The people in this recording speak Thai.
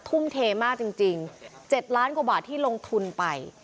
ทุ่มเทมากจริง๗ล้านกว่าบาทที่ลงทุนไป